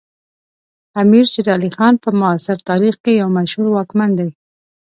امیر شیر علی خان په معاصر تاریخ کې یو مشهور واکمن دی.